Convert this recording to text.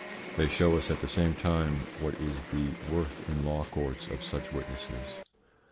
They show us at the same time what is the worth in law courts of such witnesses.